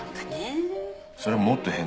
それはもっと変だよ。